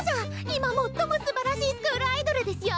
今最もすばらしいスクールアイドルですよ！